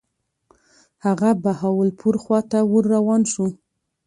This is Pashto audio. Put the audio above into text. هغه بهاولپور خواته ور روان شو.